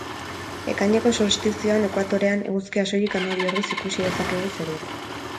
Ekaineko solstizioan Ekuatorean, Eguzkia soilik hamabi orduz ikusi dezakegu zeruan.